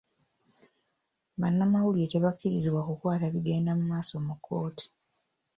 Banamawulire tebakkirizibwa kukwata bigenda maaso mu kooti.